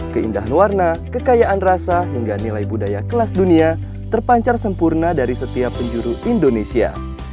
keindahan warna kekayaan rasa hingga nilai budaya kelas dunia terpancar sempurna dari setiap penjuru indonesia